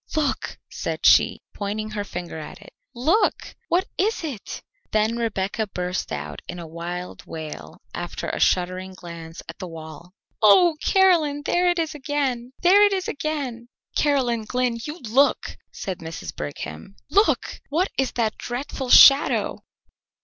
"Look!" said she, pointing her finger at it. "Look! What is it?" Then Rebecca burst out in a wild wail after a shuddering glance at the wall: "Oh, Caroline, there it is again! There it is again!" "Caroline Glynn, you look!" said Mrs. Brigham. "Look! What is that dreadful shadow?"